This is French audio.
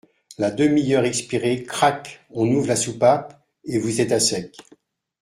La demi-heure expirée, crac ! on ouvre la soupape et vous êtes à sec !